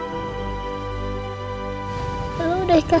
ibu tenang di sisi allah